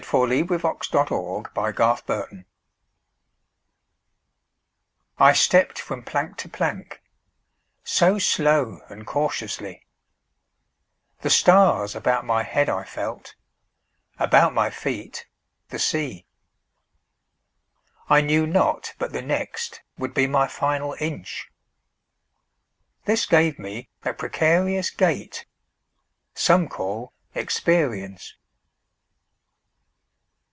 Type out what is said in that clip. Complete Poems. 1924. Part One: Life CXXXVI I STEPPED from plank to plankSo slow and cautiously; The stars about my head I felt, About my feet the sea.I knew not but the nextWould be my final inch,—This gave me that precarious gaitSome call experience.